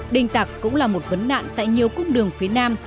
đình tặc cũng là một vấn nạn tại nhiều cung đường phía nam